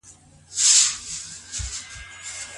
آیا دا هبه ختمېدونکې ده که نه؟